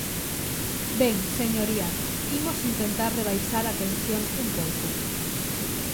Ben, señorías, imos intentar rebaixar a tensión un pouco.